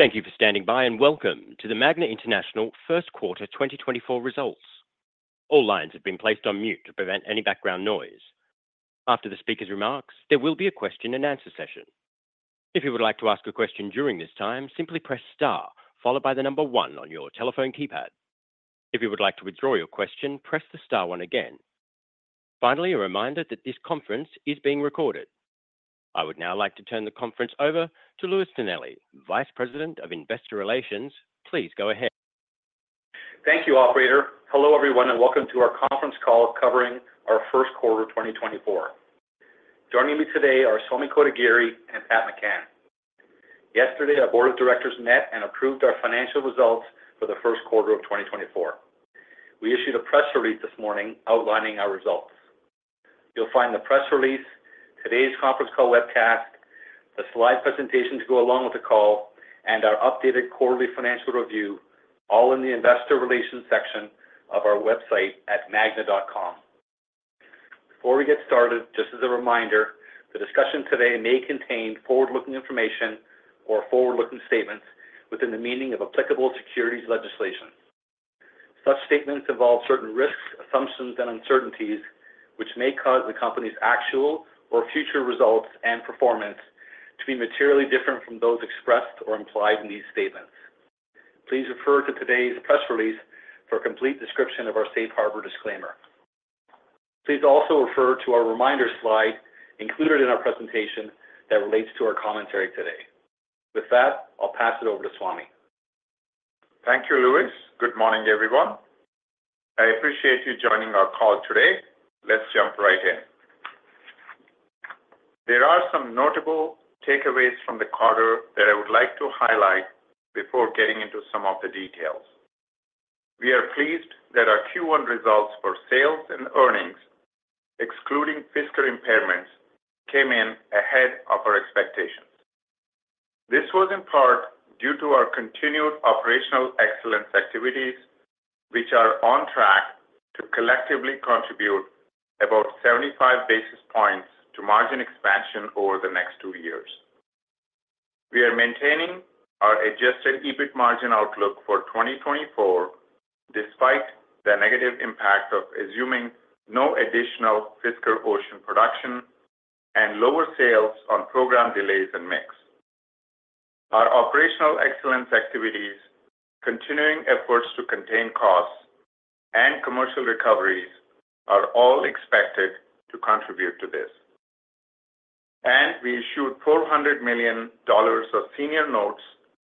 Thank you for standing by, and welcome to the Magna International Q1 2024 Results. All lines have been placed on mute to prevent any background noise. After the speaker's remarks, there will be a question-and-answer session. If you would like to ask a question during this time, simply press star, followed by the number 1 on your telephone keypad. If you would like to withdraw your question, press the star 1 again. Finally, a reminder that this conference is being recorded. I would now like to turn the conference over to Louis Tonelli, Vice President of Investor Relations. Please go ahead. Thank you, operator. Hello, everyone, and welcome to our conference call covering our Q1, 2024. Joining me today are Swamy Kotagiri and Patrick McCann. Yesterday, our board of directors met and approved our financial results for the Q1 of 2024. We issued a press release this morning outlining our results. You'll find the press release, today's conference call webcast, the slide presentation to go along with the call, and our updated quarterly financial review, all in the Investor Relations section of our website at magna.com. Before we get started, just as a reminder, the discussion today may contain forward-looking information or forward-looking statements within the meaning of applicable securities legislation. Such statements involve certain risks, assumptions, and uncertainties which may cause the company's actual or future results and performance to be materially different from those expressed or implied in these statements. Please refer to today's press release for a complete description of our safe harbor disclaimer. Please also refer to our reminder slide included in our presentation that relates to our commentary today. With that, I'll pass it over to Swamy. Thank you, Louis. Good morning, everyone. I appreciate you joining our call today. Let's jump right in. There are some notable takeaways from the quarter that I would like to highlight before getting into some of the details. We are pleased that our Q1 results for sales and earnings, excluding Fisker impairments, came in ahead of our expectations. This was in part due to our continued operational excellence activities, which are on track to collectively contribute about 75 basis points to margin expansion over the next two years. We are maintaining our Adjusted EBIT margin outlook for 2024, despite the negative impact of assuming no additional Fisker Ocean production and lower sales on program delays and mix. Our operational excellence activities, continuing efforts to contain costs, and commercial recoveries are all expected to contribute to this. We issued $400 million of senior notes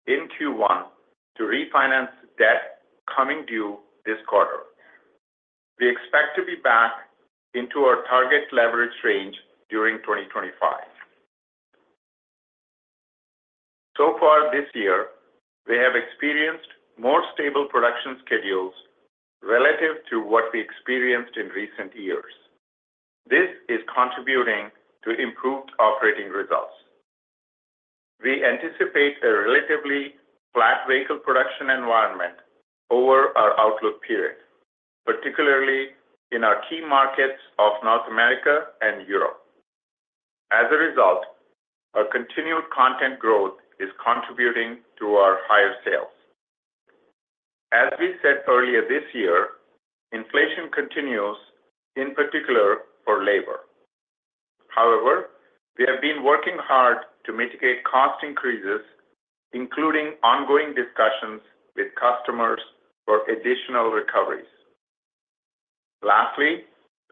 in Q1 to refinance debt coming due this quarter. We expect to be back into our target leverage range during 2025. So far this year, we have experienced more stable production schedules relative to what we experienced in recent years. This is contributing to improved operating results. We anticipate a relatively flat vehicle production environment over our outlook period, particularly in our key markets of North America and Europe. As a result, our continued content growth is contributing to our higher sales. As we said earlier this year, inflation continues, in particular for labor. However, we have been working hard to mitigate cost increases, including ongoing discussions with customers for additional recoveries. Lastly,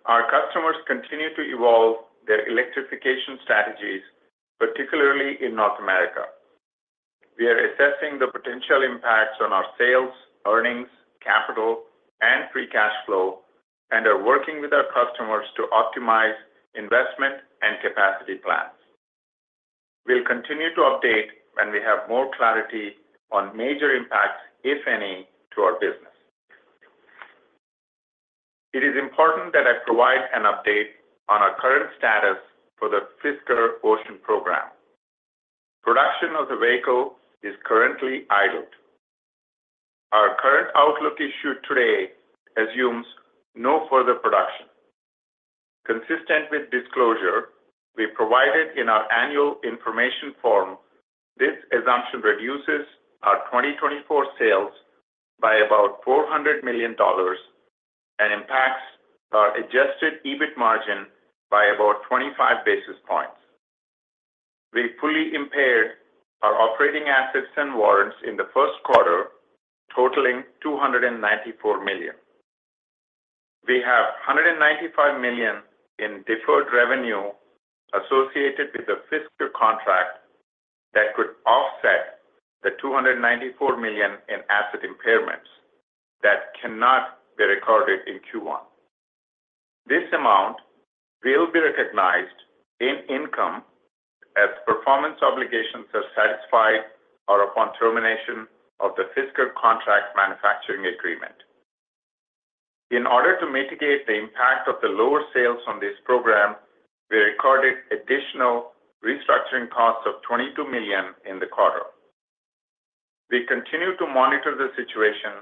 our customers continue to evolve their electrification strategies, particularly in North America. We are assessing the potential impacts on our sales, earnings, capital, and free cash flow, and are working with our customers to optimize investment and capacity plans. We'll continue to update when we have more clarity on major impacts, if any, to our business. It is important that I provide an update on our current status for the Fisker Ocean program. Production of the vehicle is currently idled. Our current outlook issued today assumes no further production. Consistent with disclosure we provided in our annual information form, this assumption reduces our 2024 sales by about $400 million and impacts our adjusted EBIT margin by about 25 basis points. We fully impaired our operating assets and warrants in the Q1, totaling $294 million. We have $195 million in deferred revenue associated with the Fisker contract that could offset the $294 million in asset impairments that cannot be recorded in Q1. This amount will be recognized in income as performance obligations are satisfied or upon termination of the Fisker contract manufacturing agreement. In order to mitigate the impact of the lower sales on this program, we recorded additional restructuring costs of $22 million in the quarter. We continue to monitor the situation,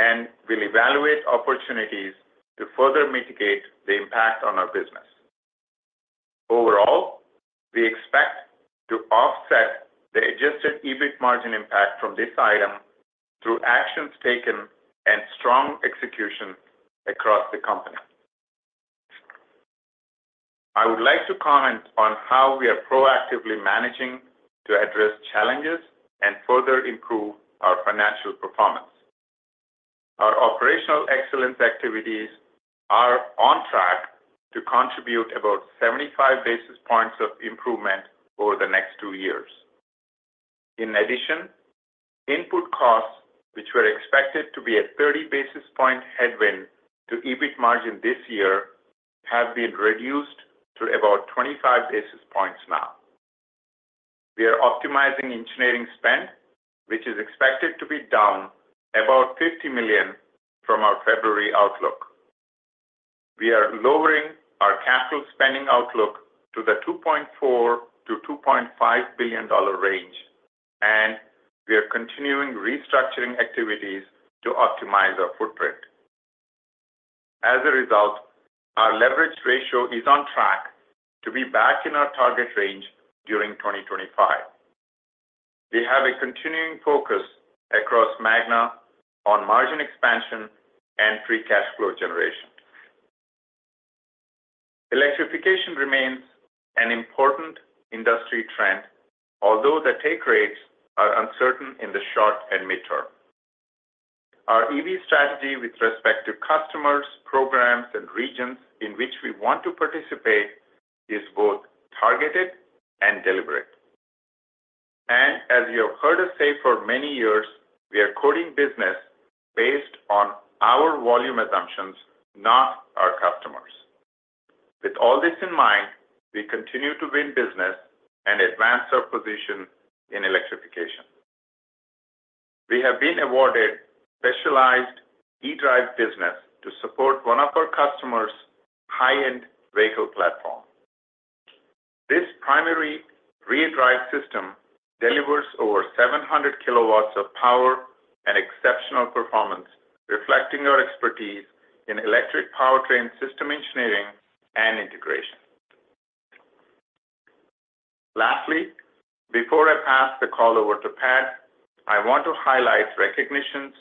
and we'll evaluate opportunities to further mitigate the impact on our business. Overall, we expect to offset the adjusted EBIT margin impact from this item through actions taken and strong execution across the company. I would like to comment on how we are proactively managing to address challenges and further improve our financial performance. Our operational excellence activities are on track to contribute about 75 basis points of improvement over the next two years. In addition, input costs, which were expected to be a 30 basis point headwind to EBIT margin this year, have been reduced to about 25 basis points now. We are optimizing engineering spend, which is expected to be down about $50 million from our February outlook. We are lowering our capital spending outlook to the $2.4 billion-$2.5 billion range, and we are continuing restructuring activities to optimize our footprint. As a result, our leverage ratio is on track to be back in our target range during 2025. We have a continuing focus across Magna on margin expansion and free cash flow generation. Electrification remains an important industry trend, although the take rates are uncertain in the short and mid-term. Our EV strategy with respect to customers, programs, and regions in which we want to participate is both targeted and deliberate. As you have heard us say for many years, we are quoting business based on our volume assumptions, not our customers. With all this in mind, we continue to win business and advance our position in electrification. We have been awarded specialized e-drive business to support one of our customers' high-end vehicle platform. This primary rear drive system delivers over 700 kilowatts of power and exceptional performance, reflecting our expertise in electric powertrain, system engineering, and integration. Lastly, before I pass the call over to Pat, I want to highlight recognitions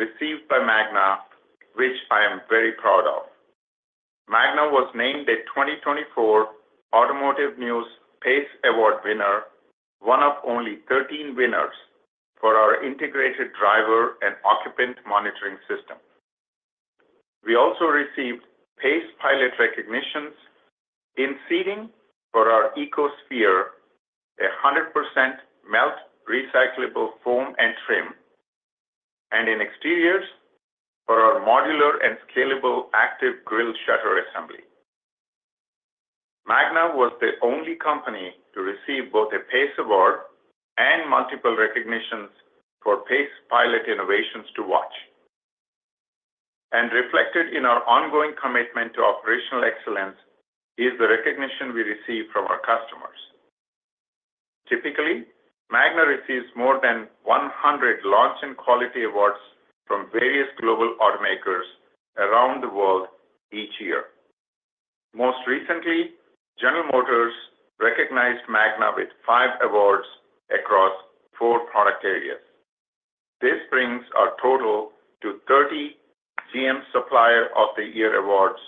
received by Magna, which I am very proud of. Magna was named the 2024 Automotive News PACE Award winner, one of only 13 winners for our Integrated Driver and Occupant Monitoring System. We also received PACE Pilot recognitions in seating for our EcoSphere, a 100% melt recyclable foam and trim, and in exteriors for our Modular and Scalable Active Grille Shutter Assembly. Magna was the only company to receive both a PACE Award and multiple recognitions for PACE Pilot Innovations to Watch. Reflected in our ongoing commitment to operational excellence is the recognition we receive from our customers. Typically, Magna receives more than 100 launch and quality awards from various global automakers around the world each year. Most recently, General Motors recognized Magna with five awards across four product areas. This brings our total to 30 GM Supplier of the Year awards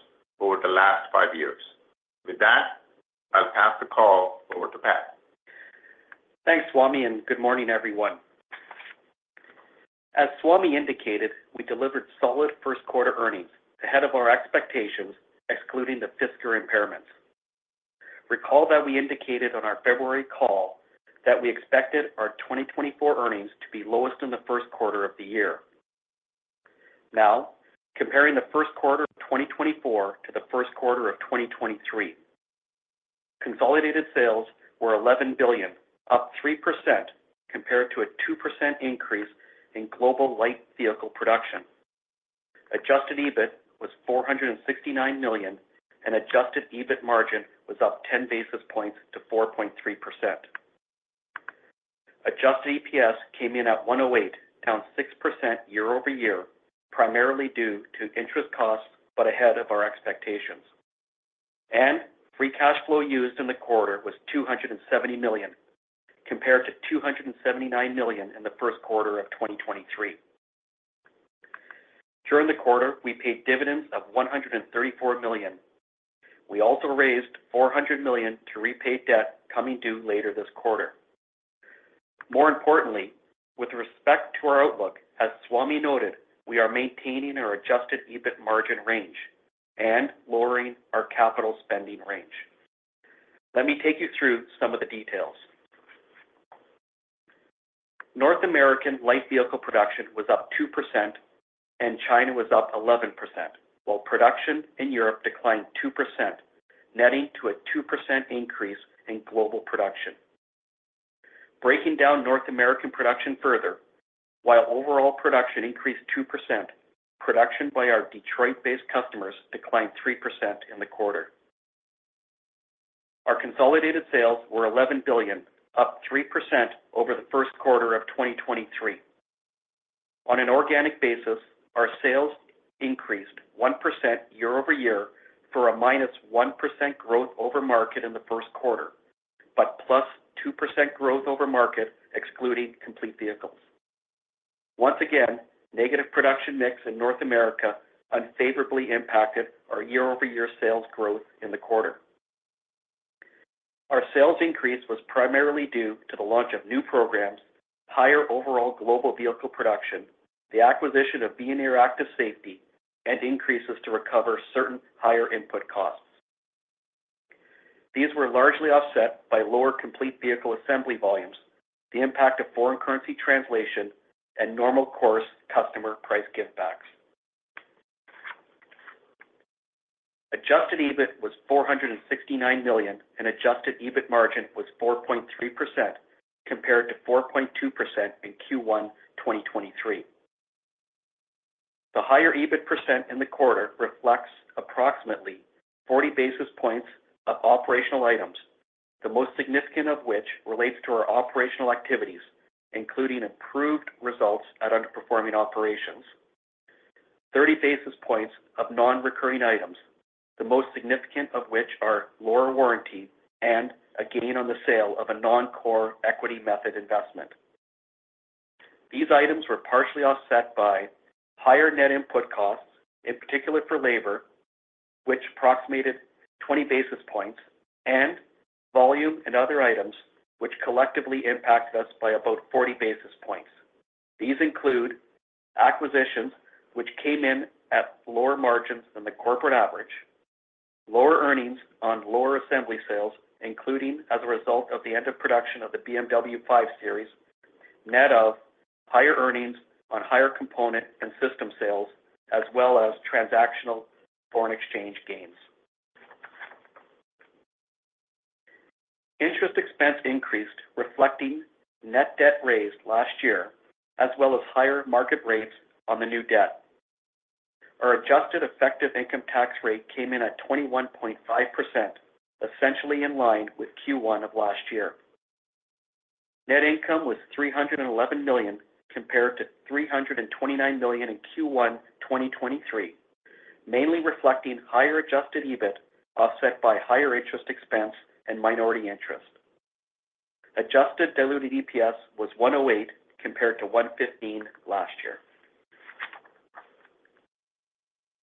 over the last five years. With that, I'll pass the call over to Patrick. Thanks, Swamy, and good morning, everyone. As Swamy indicated, we delivered solid Q1 earnings ahead of our expectations, excluding the Fisker impairments. Recall that we indicated on our February call that we expected our 2024 earnings to be lowest in the Q1 of the year. Now, comparing the Q1 of 2024 to the Q1 of 2023, consolidated sales were $11 billion, up 3% compared to a 2% increase in global light vehicle production. Adjusted EBIT was $469 million, and adjusted EBIT margin was up 10 basis points to 4.3%. Adjusted EPS came in at $1.08, down 6% year-over-year, primarily due to interest costs, but ahead of our expectations. Free cash flow used in the quarter was $270 million, compared to $279 million in the Q1 of 2023. During the quarter, we paid dividends of $134 million. We also raised $400 million to repay debt coming due later this quarter. More importantly, with respect to our outlook, as Swamy noted, we are maintaining our adjusted EBIT margin range and lowering our capital spending range. Let me take you through some of the details. North American light vehicle production was up 2% and China was up 11%, while production in Europe declined 2%, netting to a 2% increase in global production. Breaking down North American production further, while overall production increased 2%, production by our Detroit-based customers declined 3% in the quarter. Our consolidated sales were $11 billion, up 3% over the Q1 of 2023. On an organic basis, our sales increased 1% year-over-year for a -1% growth over market in the Q1, but +2% growth over market, excluding Complete Vehicles. Once again, negative production mix in North America unfavorably impacted our year-over-year sales growth in the quarter. Our sales increase was primarily due to the launch of new programs, higher overall global vehicle production, the acquisition of Veoneer Active Safety, and increases to recover certain higher input costs. These were largely offset by lower Complete Vehicle assembly volumes, the impact of foreign currency translation, and normal course customer price give backs. Adjusted EBIT was $469 million, and adjusted EBIT margin was 4.3%, compared to 4.2% in Q1 2023. The higher EBIT % in the quarter reflects approximately 40 basis points of operational items, the most significant of which relates to our operational activities, including improved results at underperforming operations. 30 basis points of non-recurring items, the most significant of which are lower warranty and a gain on the sale of a non-core equity method investment. These items were partially offset by higher net input costs, in particular for labor, which approximated 20 basis points and volume and other items which collectively impacted us by about 40 basis points. These include acquisitions which came in at lower margins than the corporate average, lower earnings on lower assembly sales, including as a result of the end of production of the BMW 5 Series, net of higher earnings on higher component and system sales, as well as transactional foreign exchange gains. Interest expense increased, reflecting net debt raised last year, as well as higher market rates on the new debt. Our adjusted effective income tax rate came in at 21.5%, essentially in line with Q1 of last year. Net income was $311 million, compared to $329 million in Q1 2023, mainly reflecting higher adjusted EBIT, offset by higher interest expense and minority interest. Adjusted diluted EPS was $1.08, compared to $1.15 last year.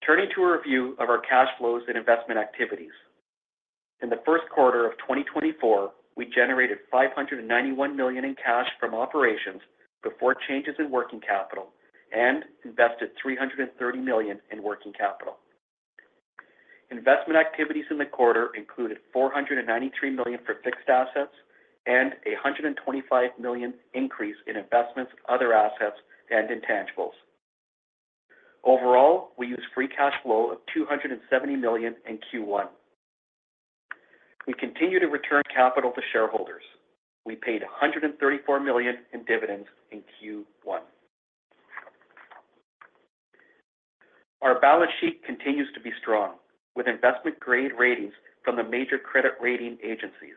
Turning to a review of our cash flows and investment activities. In the Q1 of 2024, we generated $591 million in cash from operations before changes in working capital and invested $330 million in working capital. Investment activities in the quarter included $493 million for fixed assets and a $125 million increase in investments, other assets, and intangibles. Overall, we used free cash flow of $270 million in Q1. We continue to return capital to shareholders. We paid $134 million in dividends in Q1. Our balance sheet continues to be strong, with investment grade ratings from the major credit rating agencies.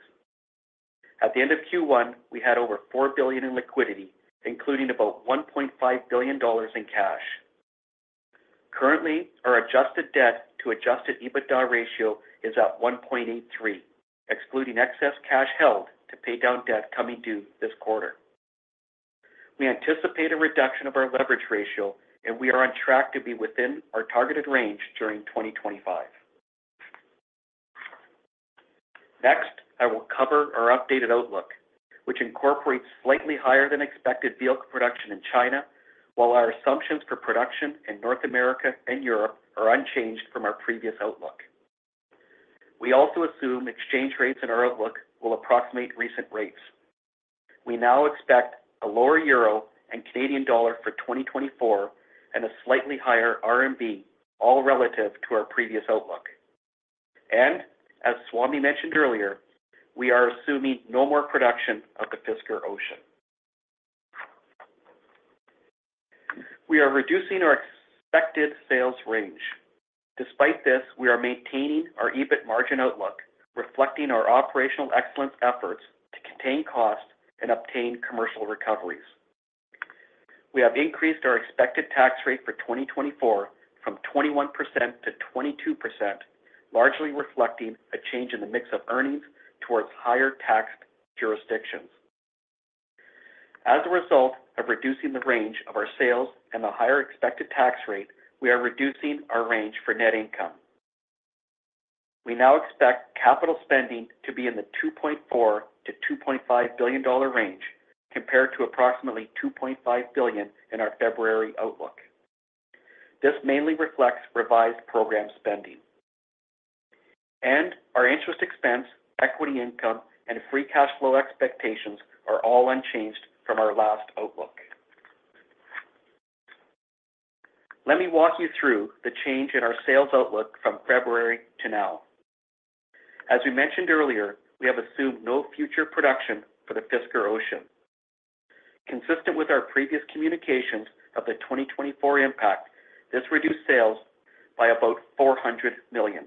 At the end of Q1, we had over $4 billion in liquidity, including about $1.5 billion in cash. Currently, our adjusted debt to adjusted EBITDA ratio is at 1.83, excluding excess cash held to pay down debt coming due this quarter. We anticipate a reduction of our leverage ratio, and we are on track to be within our targeted range during 2025. Next, I will cover our updated outlook, which incorporates slightly higher than expected vehicle production in China, while our assumptions for production in North America and Europe are unchanged from our previous outlook. We also assume exchange rates in our outlook will approximate recent rates. We now expect a lower euro and Canadian dollar for 2024, and a slightly higher RMB, all relative to our previous outlook. As Swamy mentioned earlier, we are assuming no more production of the Fisker Ocean. We are reducing our expected sales range. Despite this, we are maintaining our EBIT margin outlook, reflecting our operational excellence efforts to contain costs and obtain commercial recoveries. We have increased our expected tax rate for 2024 from 21% to 22%, largely reflecting a change in the mix of earnings towards higher tax jurisdictions. As a result of reducing the range of our sales and the higher expected tax rate, we are reducing our range for net income. We now expect capital spending to be in the $2.4 billion-$2.5 billion range, compared to approximately $2.5 billion in our February outlook. This mainly reflects revised program spending. Our interest expense, equity income, and free cash flow expectations are all unchanged from our last outlook. Let me walk you through the change in our sales outlook from February to now. As we mentioned earlier, we have assumed no future production for the Fisker Ocean. Consistent with our previous communications of the 2024 impact, this reduced sales by about $400 million.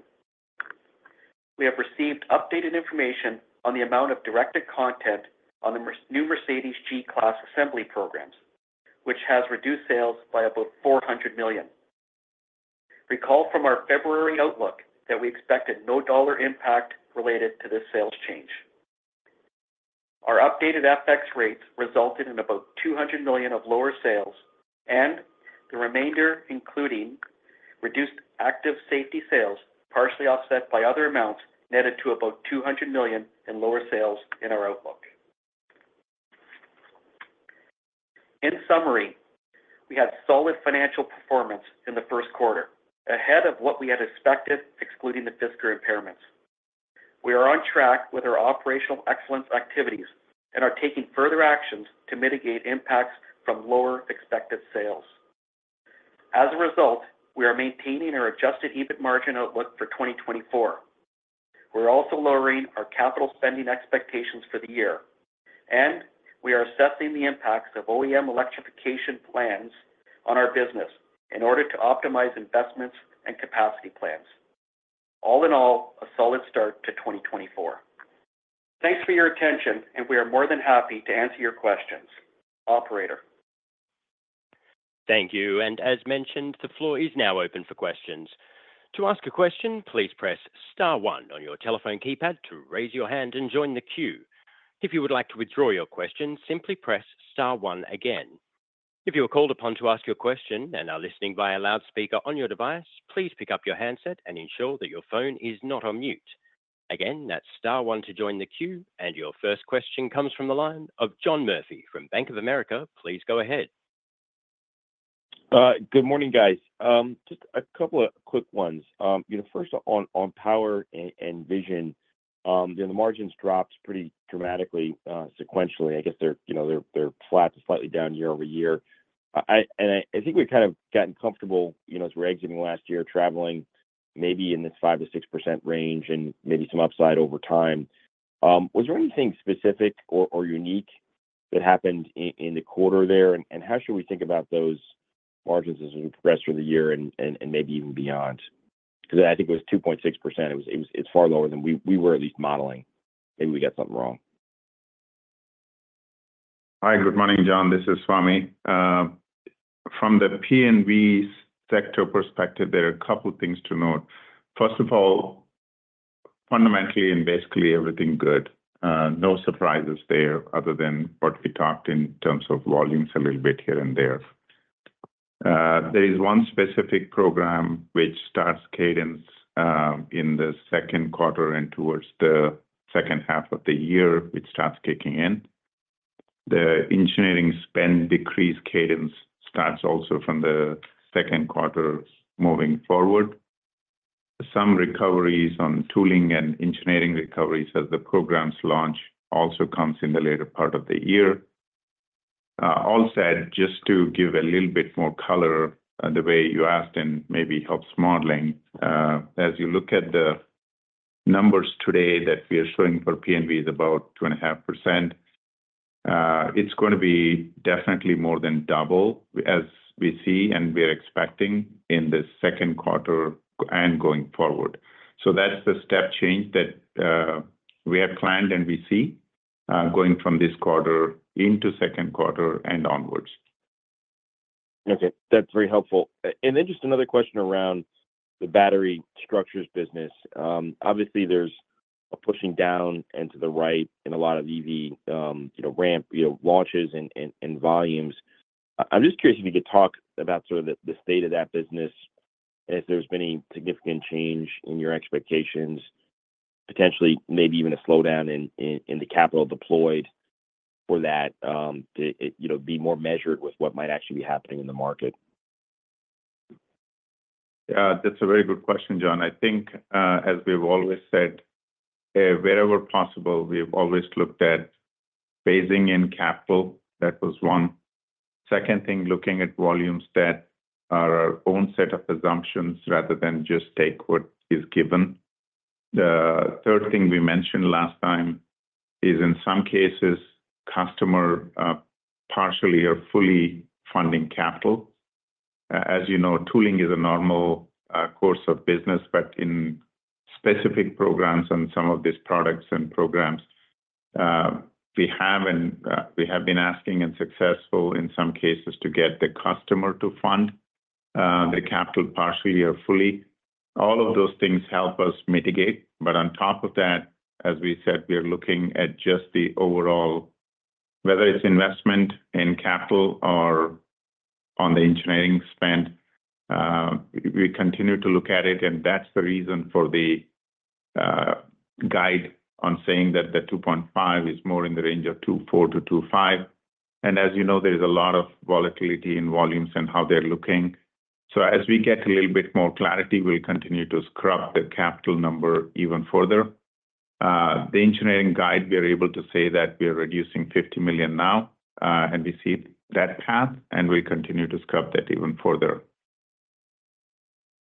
We have received updated information on the amount of directed content on the new Mercedes G-Class assembly programs, which has reduced sales by about $400 million. Recall from our February outlook that we expected no dollar impact related to this sales change. Our updated FX rates resulted in about $200 million of lower sales, and the remainder, including reduced Active Safety sales, partially offset by other amounts, netted to about $200 million in lower sales in our outlook. In summary, we had solid financial performance in the Q1, ahead of what we had expected, excluding the Fisker impairments. We are on track with our operational excellence activities and are taking further actions to mitigate impacts from lower expected sales. As a result, we are maintaining our Adjusted EBIT margin outlook for 2024. We're also lowering our capital spending expectations for the year, and we are assessing the impacts of OEM electrification plans on our business in order to optimize investments and capacity plans. All in all, a solid start to 2024. Thanks for your attention, and we are more than happy to answer your questions. Operator? Thank you. And as mentioned, the floor is now open for questions. To ask a question, please press star one on your telephone keypad to raise your hand and join the queue. If you would like to withdraw your question, simply press star one again. If you are called upon to ask your question and are listening by a loudspeaker on your device, please pick up your handset and ensure that your phone is not on mute. Again, that's star one to join the queue, and your first question comes from the line of John Murphy from Bank of America. Please go ahead. Good morning, guys. Just a couple of quick ones. You know, first, on Power & Vision, you know, the margins dropped pretty dramatically sequentially. I guess they're flat to slightly down year-over-year. And I think we've kind of gotten comfortable, you know, as we're exiting last year, traveling maybe in this 5%-6% range and maybe some upside over time. Was there anything specific or unique that happened in the quarter there, and how should we think about those margins as we progress through the year and maybe even beyond? Because I think it was 2.6%. It's far lower than we were at least modeling. Maybe we got something wrong. Hi, good morning, John. This is Swamy. From the P&V sector perspective, there are a couple things to note. First of all, fundamentally and basically everything good. No surprises there other than what we talked in terms of volumes a little bit here and there. There is one specific program which starts cadence, in the Q2 and towards the second half of the year, it starts kicking in. The engineering spend decrease cadence starts also from the Q2 moving forward. Some recoveries on tooling and engineering recoveries as the programs launch also comes in the later part of the year. All said, just to give a little bit more color, the way you asked and maybe helps modeling, as you look at the numbers today that we are showing for P&V is about 2.5%. It's gonna be definitely more than double as we see and we are expecting in the Q2 and going forward. So that's the step change that we had planned and we see going from this quarter into Q2 and onwards. Okay, that's very helpful. And then just another question around the Battery Structures business. Obviously, there's a pushing down and to the right in a lot of EV, you know, ramp, you know, launches and volumes. I'm just curious if you could talk about sort of the state of that business and if there's been any significant change in your expectations, potentially, maybe even a slowdown in the capital deployed for that, to it, you know, be more measured with what might actually be happening in the market. That's a very good question, John. I think, as we've always said, wherever possible, we've always looked at phasing in capital. That was one. Second thing, looking at volumes steady, our own set of assumptions, rather than just take what is given. The third thing we mentioned last time is, in some cases, customer, partially or fully funding capital. As you know, tooling is a normal, course of business, but in specific programs on some of these products and programs, we have and, we have been asking and successful in some cases, to get the customer to fund, the capital partially or fully. All of those things help us mitigate, but on top of that, as we said, we are looking at just the overall, whether it's investment in capital or on the engineering spend. We continue to look at it, and that's the reason for the guide on saying that the 2.5 is more in the range of 2.4-2.5. And as you know, there is a lot of volatility in volumes and how they're looking. So as we get a little bit more clarity, we'll continue to scrub the capital number even further. The engineering guide, we are able to say that we are reducing $50 million now, and we see that path, and we continue to scrub that even further.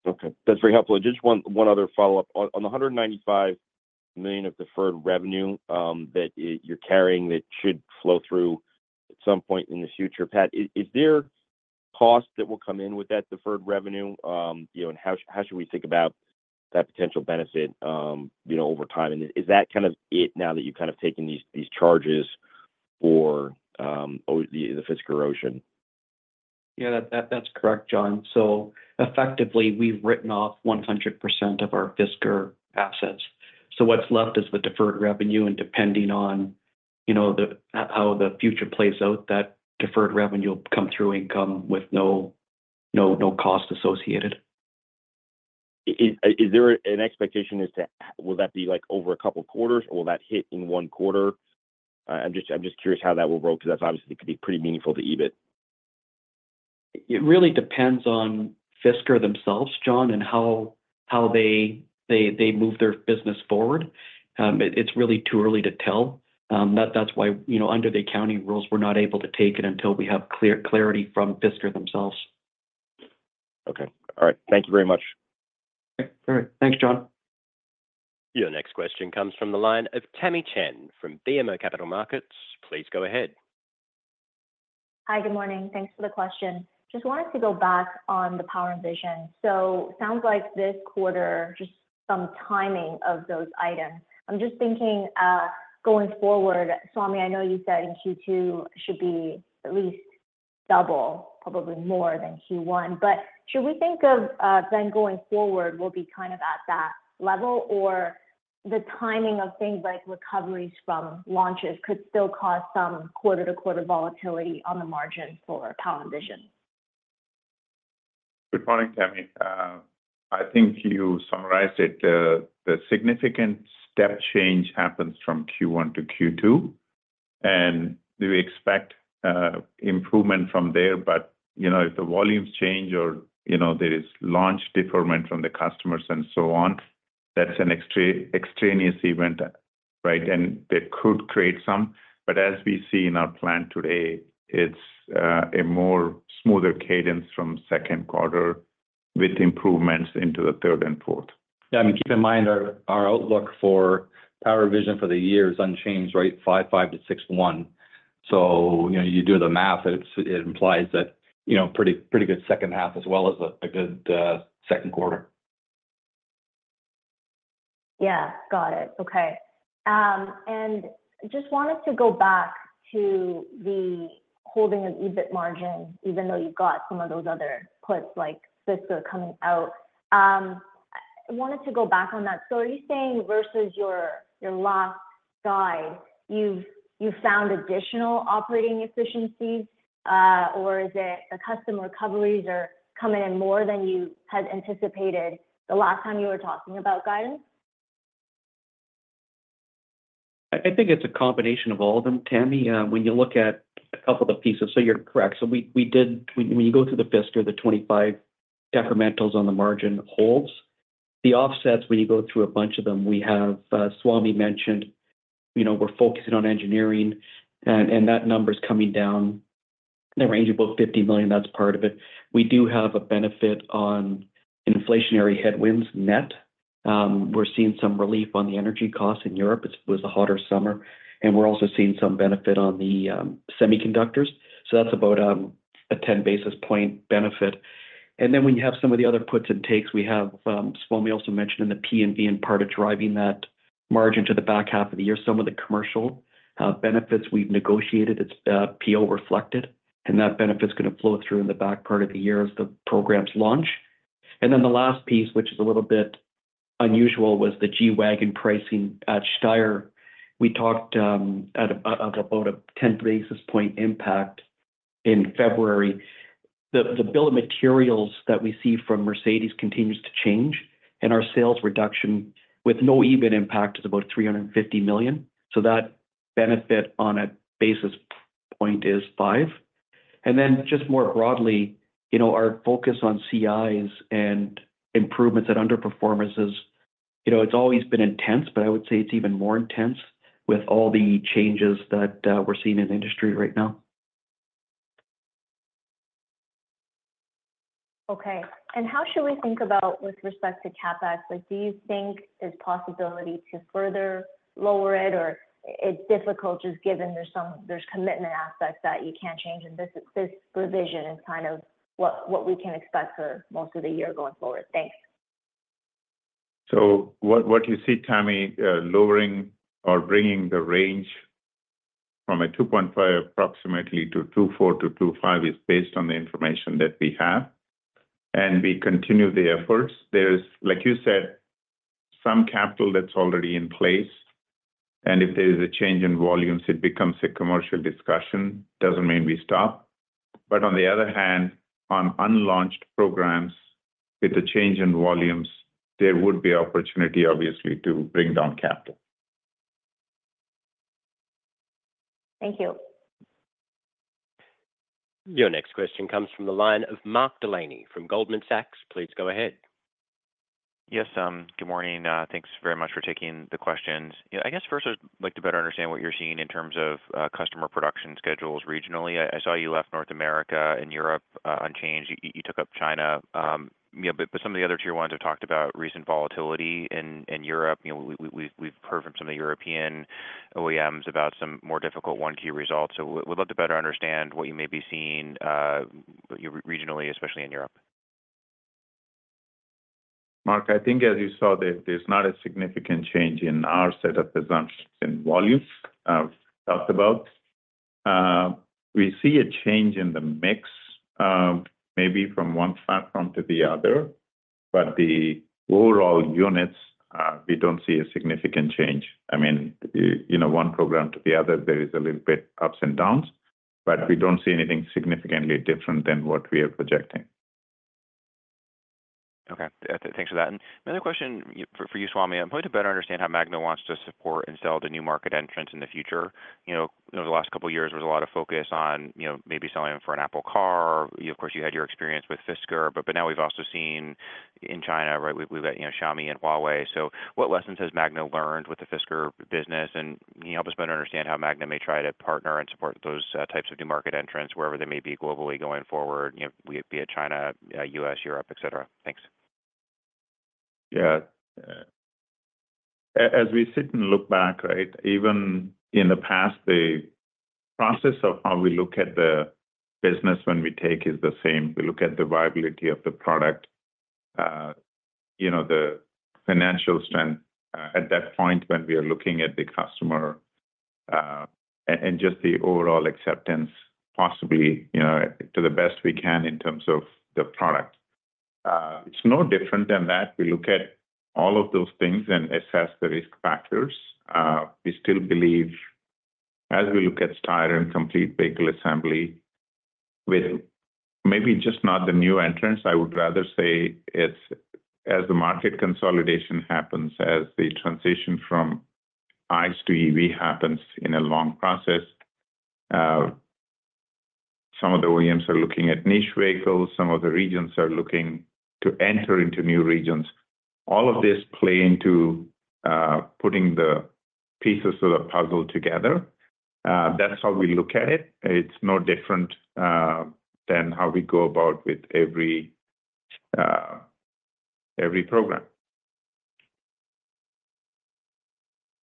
Okay. That's very helpful. And just one other follow-up. On the $195 million of deferred revenue that you're carrying, that should flow through at some point in the future, Patrick, is there costs that will come in with that deferred revenue? You know, and how should we think about that potential benefit, you know, over time? And is that kind of it now that you've kind of taken these, these charges for the Fisker Ocean? Yeah, that's correct, John. So effectively, we've written off 100% of our Fisker assets. So what's left is the deferred revenue, and depending on, you know, how the future plays out, that deferred revenue will come through income with no cost associated. Is there an expectation as to will that be, like, over a couple of quarters, or will that hit in one quarter? I'm just curious how that will roll, 'cause that's obviously could be pretty meaningful to EBIT. It really depends on Fisker themselves, John, and how they move their business forward. It's really too early to tell. That's why, you know, under the accounting rules, we're not able to take it until we have clarity from Fisker themselves. Okay. All right. Thank you very much. All right. Thanks, John. Your next question comes from the line of Tamy Chen from BMO Capital Markets. Please go ahead. Hi, good morning. Thanks for the question. Just wanted to go back on the Power & Vision. So sounds like this quarter, just some timing of those items. I'm just thinking, going forward, Swamy, I know you said in Q2 should be at least double, probably more than Q1. But should we think of, then going forward will be kind of at that level, or the timing of things like recoveries from launches could still cause some quarter-to-quarter volatility on the margin for Power & Vision? Good morning, Tamy. I think you summarized it, the significant step change happens from Q1 to Q2, and we expect improvement from there. But, you know, if the volumes change or, you know, there is launch deferment from the customers and so on, that's an extraneous event, right? And that could create some. But as we see in our plan today, it's a more smoother cadence from Q2 with improvements into the third and fourth. Yeah, and keep in mind, our outlook for Power & Vision for the year is unchanged, right? 5.5-6.1. So, you know, you do the math, it implies that, you know, pretty, pretty good second half as well as a good Q2. Yeah, got it. Okay. And just wanted to go back to the holding of EBIT margin, even though you've got some of those other puts like Fisker coming out. I wanted to go back on that. So are you saying versus your, your last guide, you've, you've found additional operating efficiencies, or is it the customer recoveries are coming in more than you had anticipated the last time you were talking about guidance? I think it's a combination of all of them, Tamy. When you look at a couple of pieces, so you're correct. So we did, when you go through the Fisker, the 25 decrementals on the margin holds. The offsets, when you go through a bunch of them, we have, Swamy mentioned, you know, we're focusing on engineering, and that number is coming down in the range of about $50 million. That's part of it. We do have a benefit on inflationary headwinds net. We're seeing some relief on the energy costs in Europe. It was a hotter summer, and we're also seeing some benefit on the semiconductors, so that's about a 10 basis point benefit. And then when you have some of the other puts and takes, we have, Swamy also mentioned in the P&V and part of driving that margin to the back half of the year, some of the commercial benefits we've negotiated, it's, PO reflected, and that benefit is gonna flow through in the back part of the year as the programs launch. And then the last piece, which is a little bit unusual, was the G-Wagen pricing at Steyr. We talked about a 10 basis point impact in February. The bill of materials that we see from Mercedes continues to change, and our sales reduction with no EBIT impact is about $350 million. So that benefit on a basis point is 5. And then just more broadly, you know, our focus on CIs and improvements at underperformances, you know, it's always been intense, but I would say it's even more intense with all the changes that we're seeing in the industry right now. Okay. How should we think about with respect to CapEx? Like, do you think there's possibility to further lower it, or it's difficult just given there's some commitment aspects that you can't change, and this revision is kind of what we can expect for most of the year going forward? Thanks. So what, what you see, Tamy, lowering or bringing the range from a 2.5 approximately to 2.4-2.5 is based on the information that we have, and we continue the efforts. There's, like you said, some capital that's already in place, and if there is a change in volumes, it becomes a commercial discussion. Doesn't mean we stop. But on the other hand, on unlaunched programs, with the change in volumes, there would be opportunity, obviously, to bring down capital. Thank you. Your next question comes from the line of Mark Delaney from Goldman Sachs. Please go ahead. Yes, good morning. Thanks very much for taking the questions. You know, I guess first I'd like to better understand what you're seeing in terms of customer production schedules regionally. I saw you left North America and Europe unchanged. You took up China, you know, but some of the other tier ones have talked about recent volatility in Europe. You know, we've heard from some of the European OEMs about some more difficult Q1 results. So we'd love to better understand what you may be seeing regionally, especially in Europe. Mark, I think as you saw, there, there's not a significant change in our set of assumptions in volumes talked about. We see a change in the mix, maybe from one platform to the other, but the overall units, we don't see a significant change. I mean, you know, one program to the other, there is a little bit ups and downs, but we don't see anything significantly different than what we are projecting. Okay. Thanks for that. And another question for you, Swamy. I'd like to better understand how Magna wants to support and sell the new market entrants in the future. You know, over the last couple of years, there was a lot of focus on, you know, maybe selling for an Apple car. Of course, you had your experience with Fisker, but now we've also seen in China, right, we've got, you know, Xiaomi and Huawei. So what lessons has Magna learned with the Fisker business? And can you help us better understand how Magna may try to partner and support those types of new market entrants, wherever they may be globally going forward, you know, be it via China, U.S., Europe, et cetera? Thanks. Yeah. As we sit and look back, right? Even in the past, the process of how we look at the business when we take is the same. We look at the viability of the product, you know, the financial strength, at that point when we are looking at the customer, and, and just the overall acceptance, possibly, you know, to the best we can in terms of the product. It's no different than that. We look at all of those things and assess the risk factors. We still believe as we look at tier and Complete Vehicle assembly, with maybe just not the new entrants. I would rather say it's as the market consolidation happens, as the transition from ICE to EV happens in a long process, some of the OEMs are looking at niche vehicles, some of the regions are looking to enter into new regions. All of this play into putting the pieces of the puzzle together. That's how we look at it. It's no different than how we go about with every program.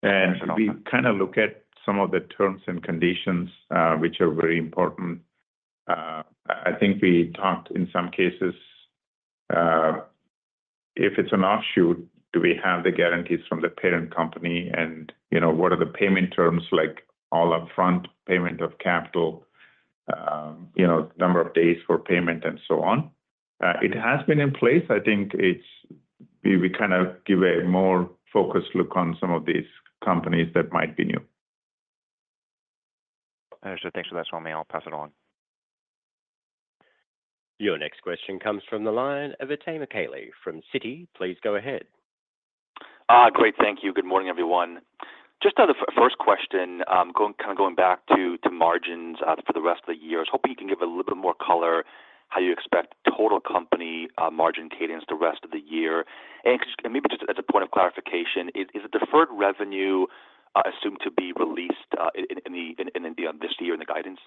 And we kinda look at some of the terms and conditions, which are very important. I think we talked in some cases, if it's an offshoot, do we have the guarantees from the parent company? You know, what are the payment terms like all upfront payment of capital, you know, number of days for payment, and so on? It has been in place. I think it's we kind of give a more focused look on some of these companies that might be new. Got you. Thanks for that, Swamy. I'll pass it on. Your next question comes from the line of Itay Michaeli from Citi. Please go ahead. Great. Thank you. Good morning, everyone. Just the first question, going kinda back to margins for the rest of the year. I was hoping you can give a little bit more color, how you expect total company margin cadence the rest of the year. And maybe just as a point of clarification, is the deferred revenue assumed to be released in this year, in the guidance?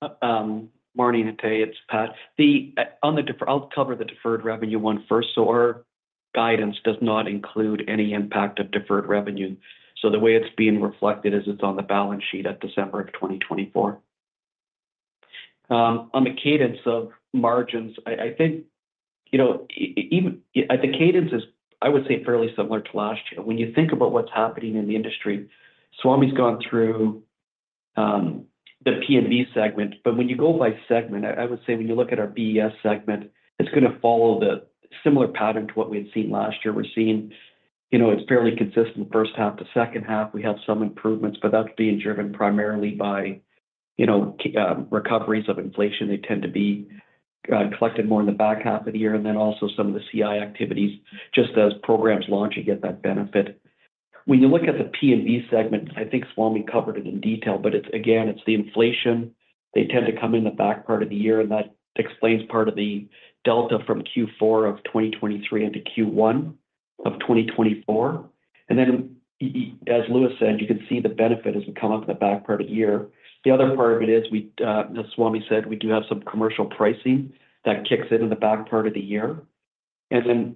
Morning, Itay, it's Pat. On the deferred revenue, I'll cover the deferred revenue one first. So our guidance does not include any impact of deferred revenue, so the way it's being reflected is it's on the balance sheet at December of 2024. On the cadence of margins, I think, you know, even the cadence is, I would say, fairly similar to last year. When you think about what's happening in the industry, Swamy's gone through the P&V segment, but when you go by segment, I would say, when you look at our BS segment, it's gonna follow the similar pattern to what we had seen last year. We're seeing, you know, it's fairly consistent, first half to second half. We have some improvements, but that's being driven primarily by, you know, recoveries of inflation. They tend to be collected more in the back half of the year, and then also some of the CI activities, just as programs launch, you get that benefit. When you look at the P&V segment, I think Swamy covered it in detail, but it's again, it's the inflation. They tend to come in the back part of the year, and that explains part of the delta from Q4 of 2023 into Q1 of 2024. And then, as Louis said, you can see the benefit as we come up in the back part of the year. The other part of it is we, as Swamy said, we do have some commercial pricing that kicks in, in the back part of the year. And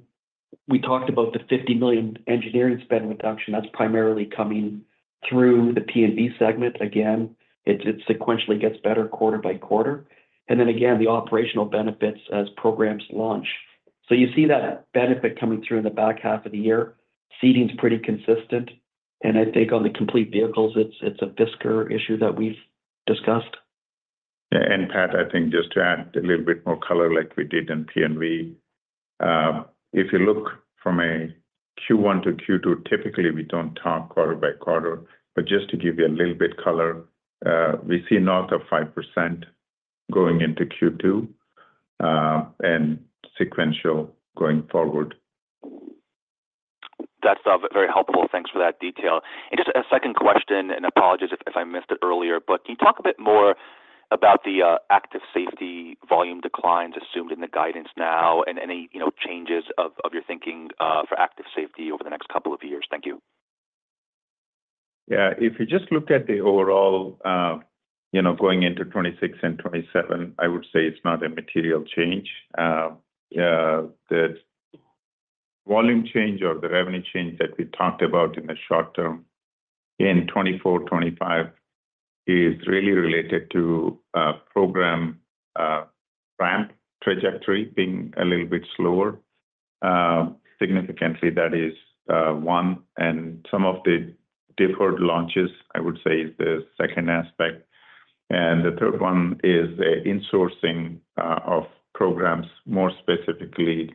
then we talked about the $50 million engineering spend reduction that's primarily coming through the P&V segment. Again, it sequentially gets better quarter by quarter. And then again, the operational benefits as programs launch. So you see that benefit coming through in the back half of the year. Seating's pretty consistent, and I think on the Complete Vehicles, it's a Fisker issue that we've discussed. Yeah, and Patrick, I think just to add a little bit more color like we did in P&V. If you look from a Q1 to Q2, typically, we don't talk quarter by quarter, but just to give you a little bit color, we see north of 5% going into Q2, and sequential going forward. That's very helpful. Thanks for that detail. And just a second question, and apologies if I missed it earlier, but can you talk a bit more about the Active Safety volume declines assumed in the guidance now and any, you know, changes of your thinking for Active Safety over the next couple of years? Thank you. Yeah. If you just look at the overall, you know, going into 2026 and 2027, I would say it's not a material change. The volume change or the revenue change that we talked about in the short term in 2024, 2025, is really related to program ramp trajectory being a little bit slower. Significantly, that is one, and some of the deferred launches, I would say, is the second aspect. And the third one is the insourcing of programs, more specifically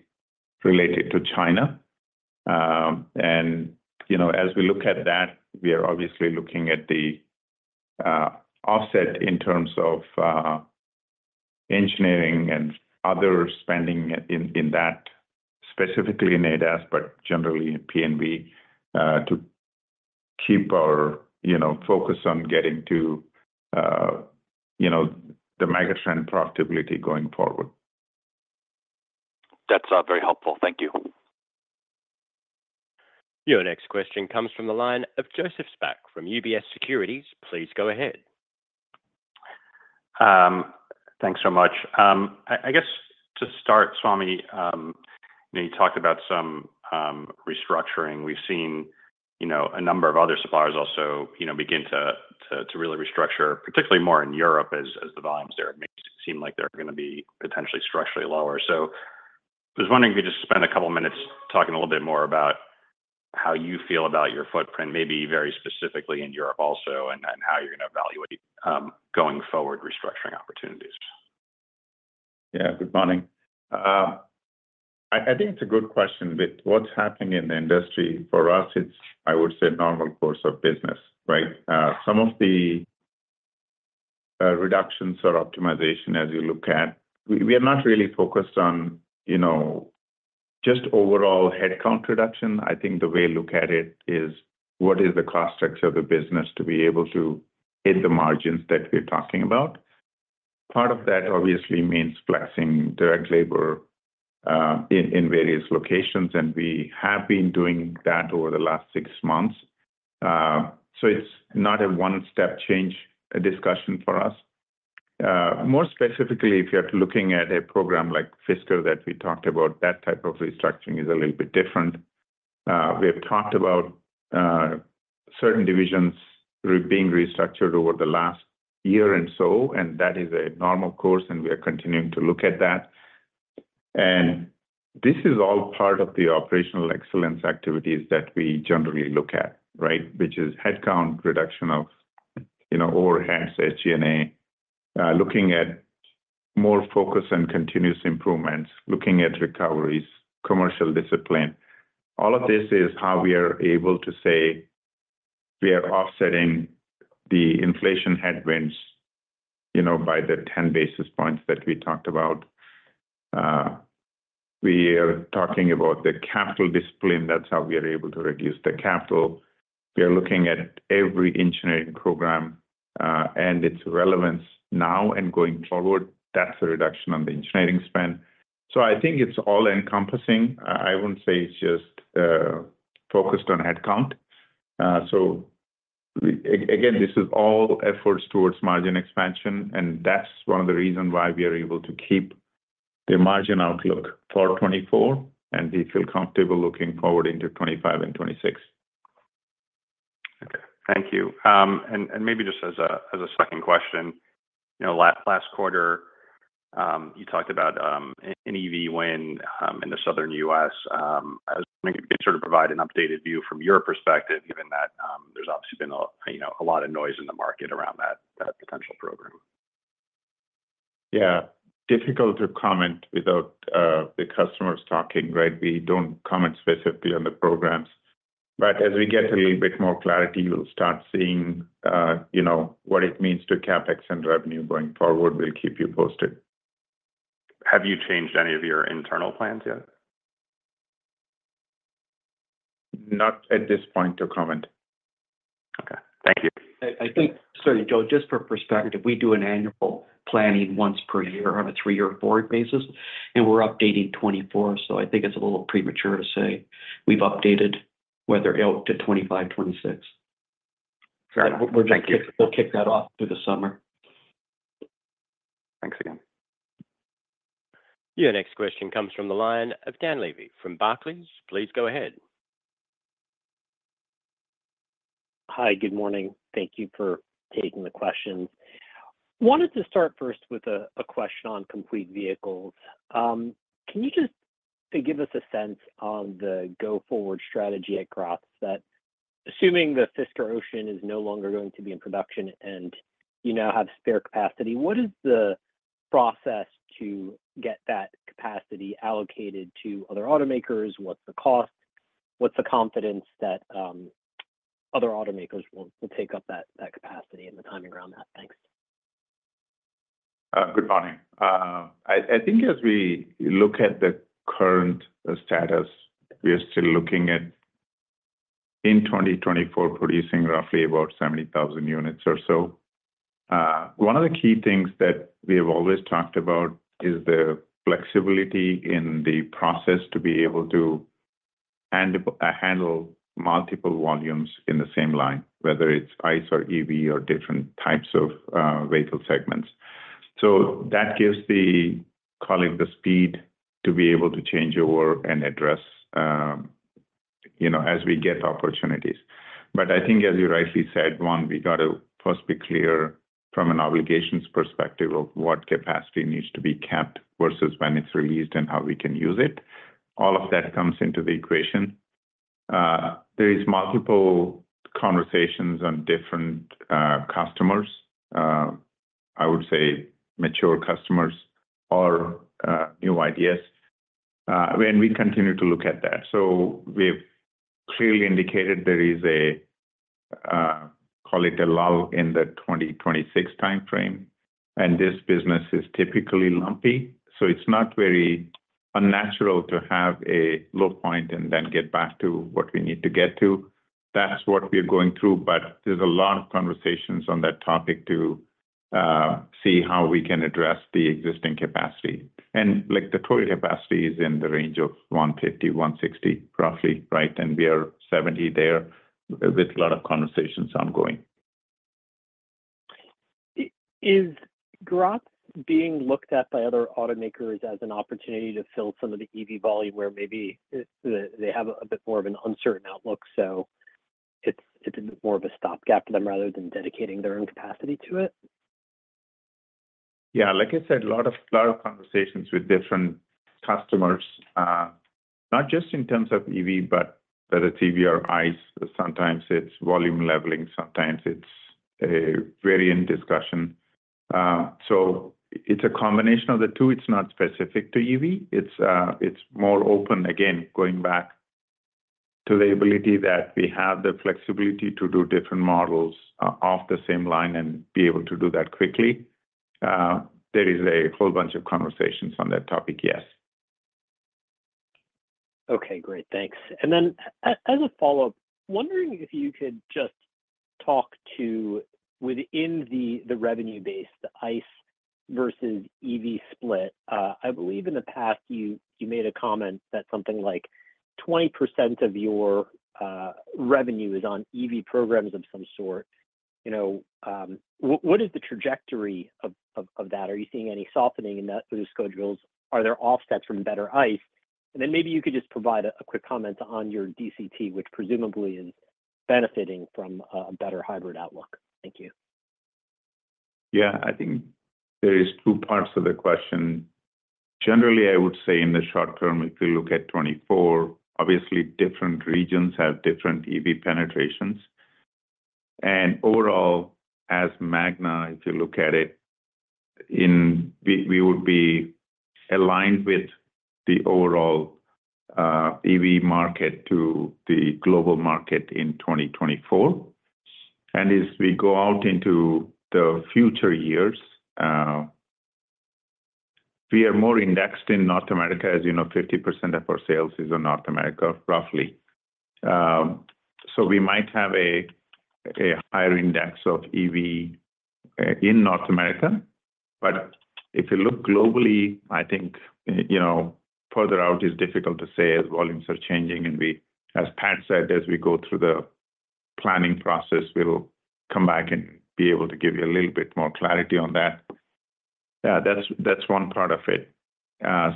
related to China. And, you know, as we look at that, we are obviously looking at the offset in terms of engineering and other spending in that, specifically in ADAS, but generally in P&V, to keep our, you know, focus on getting to, you know, the mega trend profitability going forward. That's very helpful. Thank you. Your next question comes from the line of Joseph Spak from UBS Securities. Please go ahead. Thanks so much. I guess to start, Swamy, you know, you talked about some restructuring. We've seen, you know, a number of other suppliers also, you know, begin to really restructure, particularly more in Europe as the volumes there, it makes it seem like they're gonna be potentially structurally lower. So I was wondering if you could just spend a couple of minutes talking a little bit more about how you feel about your footprint, maybe very specifically in Europe also, and how you're gonna evaluate going forward restructuring opportunities. Yeah, good morning. I think it's a good question with what's happening in the industry. For us, it's, I would say, normal course of business, right? Some of the reductions or optimization as you look at, we are not really focused on, you know, just overall headcount reduction. I think the way I look at it is, what is the cost structure of the business to be able to hit the margins that we're talking about? Part of that obviously means flexing direct labor in various locations, and we have been doing that over the last six months. So it's not a one-step change, a discussion for us. More specifically, if you're looking at a program like Fisker that we talked about, that type of restructuring is a little bit different. We have talked about certain divisions being restructured over the last year and so, and that is a normal course, and we are continuing to look at that. And this is all part of the operational excellence activities that we generally look at, right? Which is headcount reduction of, you know, overheads, SG&A, looking at more focus on continuous improvements, looking at recoveries, commercial discipline. All of this is how we are able to say we are offsetting the inflation headwinds, you know, by the 10 basis points that we talked about. We are talking about the capital discipline, that's how we are able to reduce the capital. We are looking at every engineering program and its relevance now and going forward. That's a reduction on the engineering spend. So I think it's all-encompassing. I, I wouldn't say it's just focused on headcount. So, again, this is all efforts towards margin expansion, and that's one of the reasons why we are able to keep the margin outlook for 2024, and we feel comfortable looking forward into 2025 and 2026. Okay, thank you. And maybe just as a second question, you know, last quarter, you talked about an EV win in the southern U.S. I was wondering if you could sort of provide an updated view from your perspective, given that there's obviously been a, you know, a lot of noise in the market around that potential program. Yeah. Difficult to comment without, the customers talking, right? We don't comment specifically on the programs, but as we get a little bit more clarity, we'll start seeing, you know, what it means to CapEx and revenue going forward. We'll keep you posted. Have you changed any of your internal plans yet? Not at this point to comment. Okay. Thank you. I think, sorry, Joseph, just for perspective, we do an annual planning once per year on a three-year forward basis, and we're updating 2024. So I think it's a little premature to say we've updated it out to 2025, 2026. Got it. Thank you. We'll just kick that off through the summer. Thanks again. Your next question comes from the line of Dan Levy from Barclays. Please go ahead. Hi, good morning. Thank you for taking the questions. Wanted to start first with a question on Complete Vehicles. Can you just give us a sense on the go-forward strategy at Graz that assuming the Fisker Ocean is no longer going to be in production and you now have spare capacity, what is the process to get that capacity allocated to other automakers? What's the cost? What's the confidence that other automakers will take up that capacity and the timing around that? Thanks. Good morning. I think as we look at the current status, we are still looking at in 2024, producing roughly about 70,000 units or so. One of the key things that we have always talked about is the flexibility in the process to be able to handle multiple volumes in the same line, whether it's ICE or EV or different types of vehicle segments. So that gives the colleague the speed to be able to change over and address, you know, as we get opportunities. But I think as you rightly said, one, we got to first be clear from an obligations perspective of what capacity needs to be kept versus when it's released and how we can use it. All of that comes into the equation. There is multiple conversations on different customers. I would say mature customers or, new ideas, and we continue to look at that. So we've clearly indicated there is a, call it a lull in the 2026 time frame, and this business is typically lumpy, so it's not very unnatural to have a low point and then get back to what we need to get to. That's what we are going through, but there's a lot of conversations on that topic to, see how we can address the existing capacity. And, like, the total capacity is in the range of 150-160, roughly, right? And we are 70 there, with a lot of conversations ongoing. Is Graz being looked at by other automakers as an opportunity to fill some of the EV volume, where maybe it, they, they have a bit more of an uncertain outlook, so it's, it's more of a stopgap to them rather than dedicating their own capacity to it? Yeah, like I said, a lot of, lot of conversations with different customers, not just in terms of EV, but whether it's EV or ICE. Sometimes it's volume leveling, sometimes it's a variant discussion. So it's a combination of the two. It's not specific to EV. It's more open, again, going back to the ability that we have the flexibility to do different models off the same line and be able to do that quickly. There is a whole bunch of conversations on that topic, yes. Okay, great. Thanks. And then as a follow-up, wondering if you could just talk to within the revenue base, the ICE versus EV split. I believe in the past, you made a comment that something like 20% of your revenue is on EV programs of some sort. You know, what is the trajectory of that? Are you seeing any softening in those schedules? Are there offsets from better ICE? And then maybe you could just provide a quick comment on your DCT, which presumably is benefiting from a better hybrid outlook. Thank you. Yeah, I think there is two parts to the question. Generally, I would say in the short term, if you look at 2024, obviously, different regions have different EV penetrations. And overall, as Magna, if you look at it, in we would be aligned with the overall EV market to the global market in 2024. And as we go out into the future years, we are more indexed in North America. As you know, 50% of our sales is in North America, roughly. So we might have a higher index of EV in North America. But if you look globally, I think, you know, further out is difficult to say as volumes are changing. We, as Patrick said, as we go through the planning process, we will come back and be able to give you a little bit more clarity on that. Yeah, that's, that's one part of it.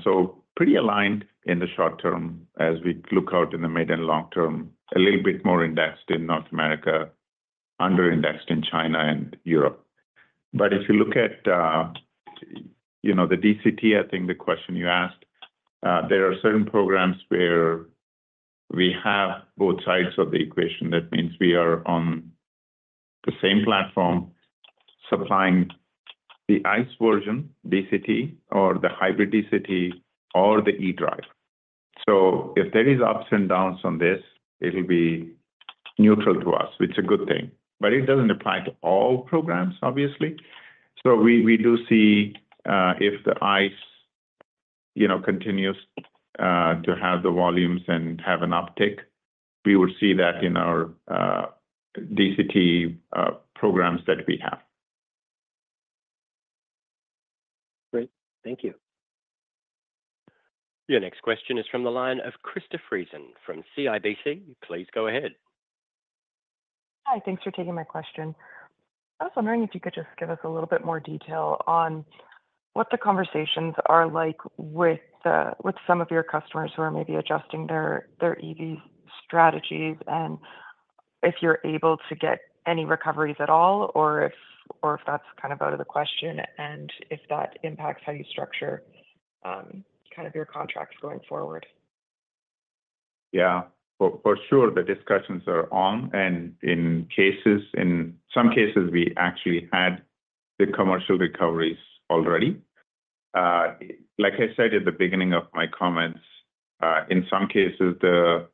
So pretty aligned in the short term as we look out in the mid and long term, a little bit more indexed in North America, under indexed in China and Europe. But if you look at, you know, the DCT, I think the question you asked, there are certain programs where we have both sides of the equation. That means we are on the same platform supplying the ICE version, DCT, or the hybrid DCT, or the E-drive. So if there is ups and downs on this, it'll be neutral to us, which is a good thing, but it doesn't apply to all programs, obviously. So we do see if the ICE, you know, continues to have the volumes and have an uptick, we would see that in our DCT programs that we have. Great. Thank you. Your next question is from the line of Krista Friesen from CIBC. Please go ahead. Hi, thanks for taking my question. I was wondering if you could just give us a little bit more detail on what the conversations are like with some of your customers who are maybe adjusting their EV strategies, and if you're able to get any recoveries at all, or if that's kind of out of the question, and if that impacts how you structure kind of your contracts going forward. Yeah. For sure, the discussions are on, and in some cases, we actually had the commercial recoveries already. Like I said at the beginning of my comments, in some cases, the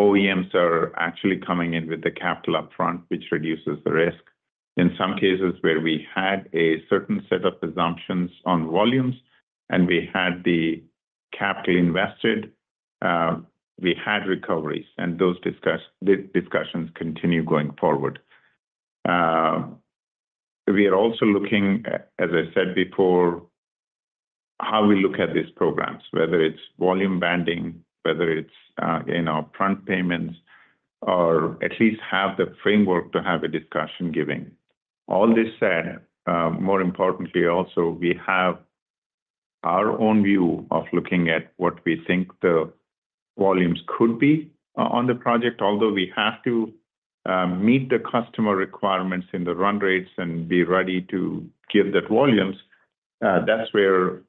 OEMs are actually coming in with the capital upfront, which reduces the risk. In some cases, where we had a certain set of assumptions on volumes and we had the capital invested, we had recoveries, and those discussions continue going forward. We are also looking, as I said before- how we look at these programs, whether it's volume banding, whether it's, you know, front payments, or at least have the framework to have a discussion giving. All this said, more importantly, also, we have our own view of looking at what we think the volumes could be on the project. Although we have to meet the customer requirements in the run rates and be ready to give that volumes, that's where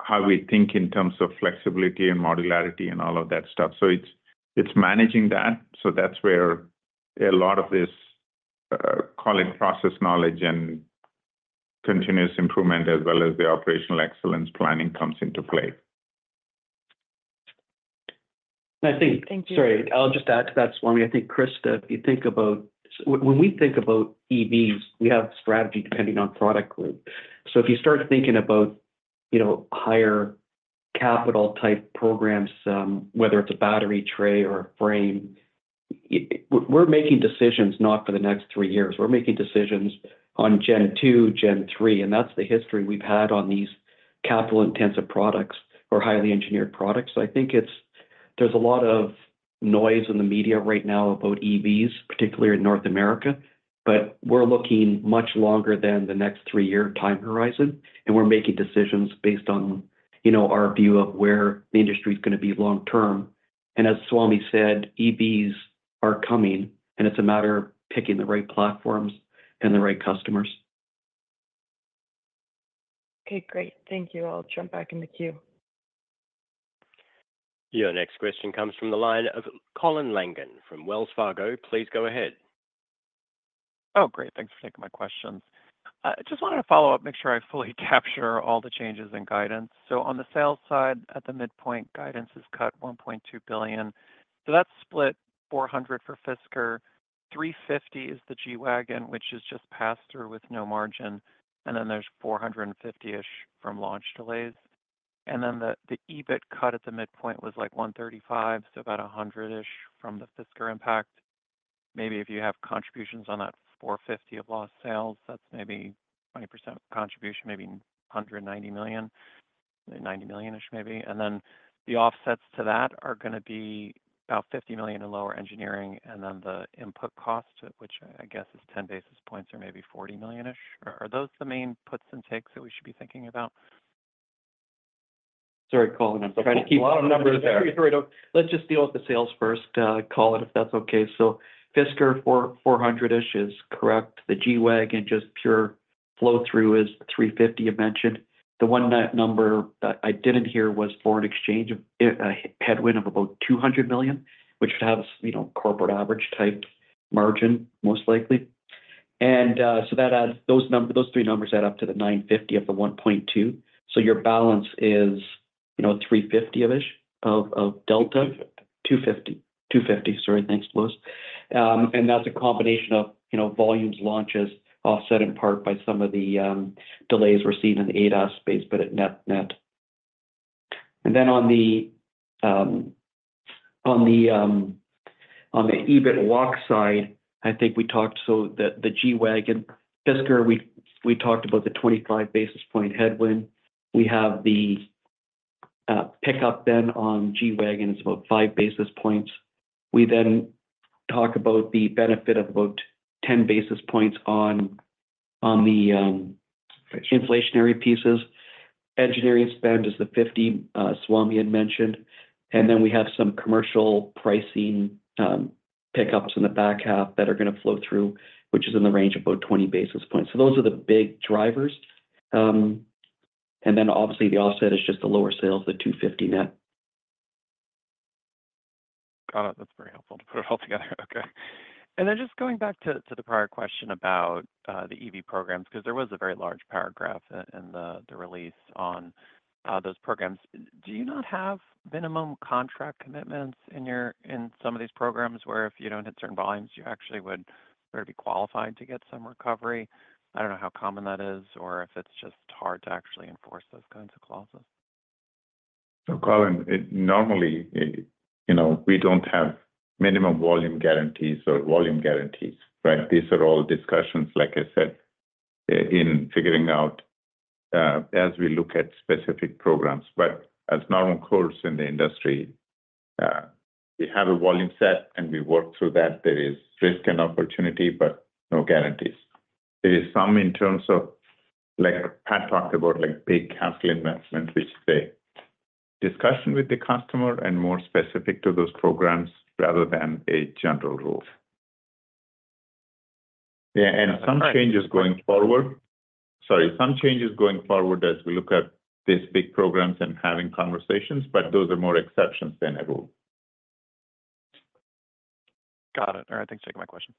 how we think in terms of flexibility and modularity and all of that stuff. So it's, it's managing that, so that's where a lot of this, call it process knowledge and continuous improvement, as well as the operational excellence planning comes into play. I think- Thank you. Sorry, I'll just add to that, Swamy. I think, Chris, if you think about when, when we think about EVs, we have a strategy depending on product group. So if you start thinking about, you know, higher capital type programs, whether it's a battery tray or a frame, we're, we're making decisions not for the next three years. We're making decisions on gen two, gen three, and that's the history we've had on these capital-intensive products or highly engineered products. So I think it's there's a lot of noise in the media right now about EVs, particularly in North America, but we're looking much longer than the next three-year time horizon, and we're making decisions based on, you know, our view of where the industry is gonna be long term. As Swamy said, EVs are coming, and it's a matter of picking the right platforms and the right customers. Okay, great. Thank you. I'll jump back in the queue. Your next question comes from the line of Colin Langan from Wells Fargo. Please go ahead. Oh, great. Thanks for taking my questions. I just wanted to follow up, make sure I fully capture all the changes in guidance. So on the sales side, at the midpoint, guidance is cut $1.2 billion. So that's split $400 million for Fisker, $350 million is the G-Wagen, which is just passed through with no margin, and then there's $450 million-ish from launch delays. And then the, the EBIT cut at the midpoint was, like, $135 million, so about $100 million-ish from the Fisker impact. Maybe if you have contributions on that $450 million of lost sales, that's maybe 20% contribution, maybe $190 million, $90 million-ish maybe. And then the offsets to that are gonna be about $50 million in lower engineering, and then the input cost, which I, I guess is 10 basis points or maybe $40 million-ish. Are those the main puts and takes that we should be thinking about? Sorry, Colin, I'm trying to keep a lot of numbers there. Sorry, let's just deal with the sales first, Colin, if that's okay. So Fisker, 400-ish is correct. The G-Wagen, just pure flow-through, is 350, you mentioned. The one net number that I didn't hear was foreign exchange headwind of about $200 million, which would have, you know, corporate average-type margin, most likely. So that adds—those three numbers add up to the 950 of the 1.2. So your balance is, you know, 350-ish of delta. Two fifty. 250. 250. Sorry. Thanks, Louis. And that's a combination of, you know, volumes, launches, offset in part by some of the delays received in the ADAS space, but at net, net. And then on the on the EBIT walk side, I think we talked so the the G-Wagen. Fisker, we we talked about the 25 basis point headwind. We have the pickup then on G-Wagen, it's about 5 basis points. We then talk about the benefit of about 10 basis points on on the inflationary pieces. Engineering spend is the 50, Swamy had mentioned, and then we have some commercial pricing pickups in the back half that are gonna flow through, which is in the range of about 20 basis points. So those are the big drivers. And then, obviously, the offset is just the lower sales, the $250 net. Got it. That's very helpful to put it all together. Okay. And then just going back to the prior question about the EV programs, 'cause there was a very large paragraph in the release on those programs. Do you not have minimum contract commitments in some of these programs, where if you don't hit certain volumes, you actually would rather be qualified to get some recovery? I don't know how common that is or if it's just hard to actually enforce those kinds of clauses. So, Colin, it normally, you know, we don't have minimum volume guarantees or volume guarantees, right? These are all discussions, like I said, in figuring out, as we look at specific programs. But as normal course in the industry, we have a volume set, and we work through that. There is risk and opportunity, but no guarantees. There is some in terms of, like, Patrick talked about, like, big capital investment, which the discussion with the customer and more specific to those programs rather than a general rule. Yeah, and some changes going forward. Sorry, some changes going forward as we look at these big programs and having conversations, but those are more exceptions than a rule. Got it. All right, thanks for taking my question.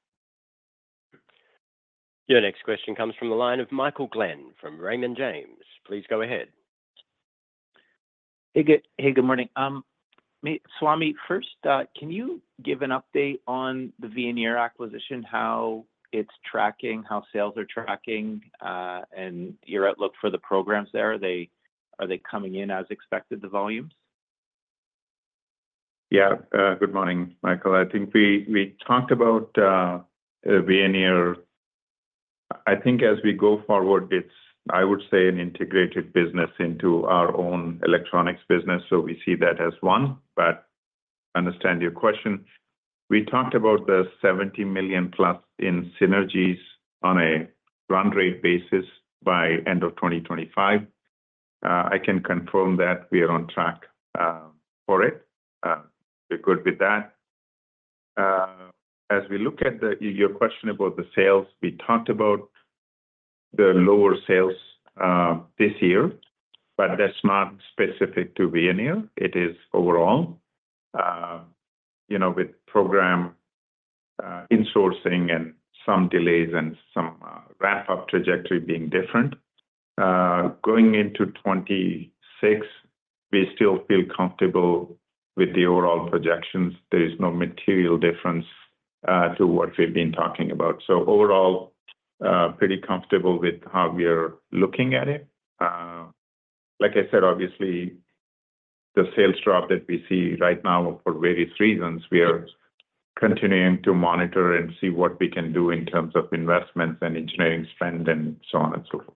Your next question comes from the line of Michael Glenn from Raymond James. Please go ahead. Hey, good morning. Swamy, first, can you give an update on the Veoneer acquisition, how it's tracking, how sales are tracking, and your outlook for the programs there? Are they coming in as expected, the volumes? Yeah. Good morning, Michael. I think we, we talked about Veoneer. I think as we go forward, it's, I would say, an integrated business into our own electronics business, so we see that as one. But I understand your question. We talked about the $70 million+ in synergies on a run rate basis by end of 2025. I can confirm that we are on track for it. We're good with that. As we look at the- your question about the sales, we talked about the lower sales this year, but that's not specific to Veoneer, it is overall. You know, with program insourcing and some delays and some ramp-up trajectory being different. Going into 2026, we still feel comfortable with the overall projections. There is no material difference to what we've been talking about. Overall, pretty comfortable with how we are looking at it. Like I said, obviously, the sales drop that we see right now are for various reasons. We are continuing to monitor and see what we can do in terms of investments and engineering spend, and so on, and so forth.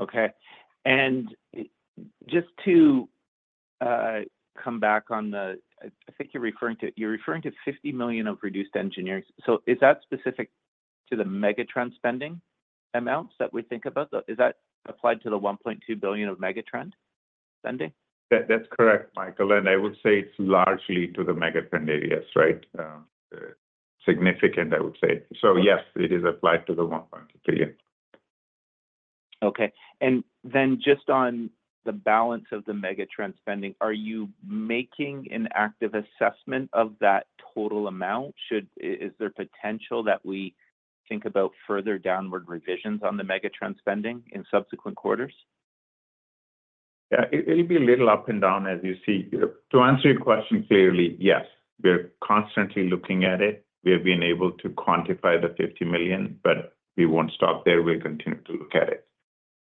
Okay. Just to come back on the—I think you're referring to, you're referring to $50 million of reduced engineers. So is that specific to the Megatrend spending amounts that we think about? Is that applied to the $1.2 billion of Megatrend spending? That, that's correct, Michael, and I would say it's largely to the megatrend areas, right? Significant, I would say. So yes, it is applied to the $1.2 billion. Okay. And then just on the balance of the megatrend spending, are you making an active assessment of that total amount? Is there potential that we think about further downward revisions on the megatrend spending in subsequent quarters? Yeah. It'll be a little up and down, as you see. To answer your question clearly, yes, we're constantly looking at it. We have been able to quantify the $50 million, but we won't stop there. We'll continue to look at it.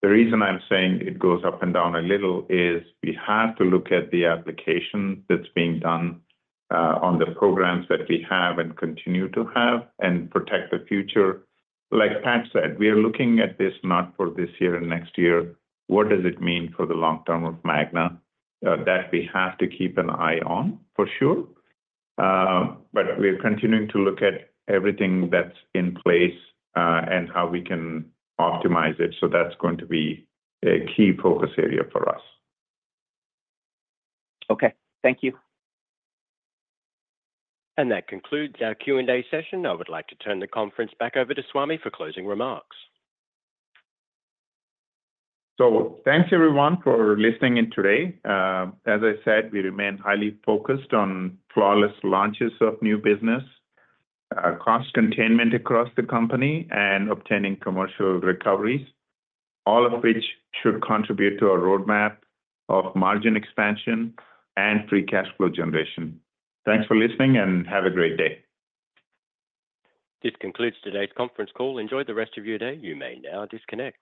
The reason I'm saying it goes up and down a little is we have to look at the application that's being done on the programs that we have and continue to have, and protect the future. Like Patrick said, we are looking at this not for this year and next year. What does it mean for the long term of Magna? That we have to keep an eye on, for sure. But we are continuing to look at everything that's in place, and how we can optimize it, so that's going to be a key focus area for us. Okay. Thank you. That concludes our Q&A session. I would like to turn the conference back over to Swamy for closing remarks. So thanks, everyone, for listening in today. As I said, we remain highly focused on flawless launches of new business, cost containment across the company, and obtaining commercial recoveries, all of which should contribute to our roadmap of margin expansion and Free Cash Flow generation. Thanks for listening, and have a great day. This concludes today's conference call. Enjoy the rest of your day. You may now disconnect.